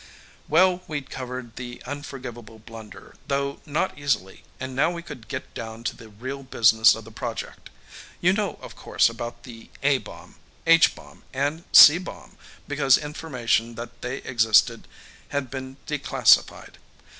Well, we'd covered the unforgivable blunder, though not easily, and now we could get down to the real business of the project. You know, of course, about the A bomb, H bomb and C bomb because information that they existed had been declassified.